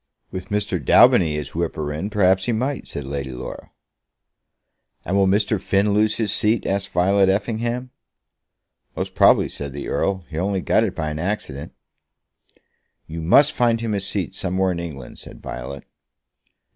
"With Mr. Daubeny as whipper in, perhaps he might," said Lady Laura. "And will Mr. Finn lose his seat?" asked Violet Effingham. "Most probably," said the Earl. "He only got it by an accident." "You must find him a seat somewhere in England," said Violet.